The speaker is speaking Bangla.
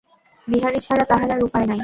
বিহারী ছাড়া তাহার আর উপায় নাই।